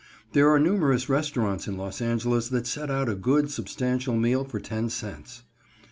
There are numerous restaurants in Los Angeles that set out a good, substantial meal for ten cents.